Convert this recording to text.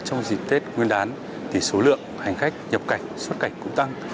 trong dịp tết nguyên đán thì số lượng hành khách nhập cảnh xuất cảnh cũng tăng